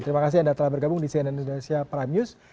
terima kasih anda telah bergabung di cnn indonesia prime news